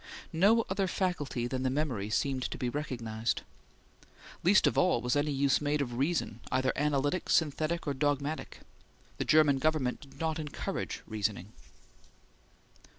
No other faculty than the memory seemed to be recognized. Least of all was any use made of reason, either analytic, synthetic, or dogmatic. The German government did not encourage reasoning.